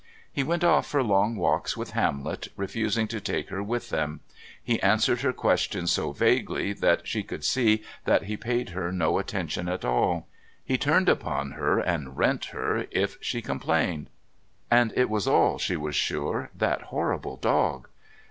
He went off for long walks with Hamlet, refusing to take her with them; he answered her questions so vaguely that she could see that he paid her no attention at all; he turned upon her and rent her if she complained. And it was all, she was sure, that horrible dog.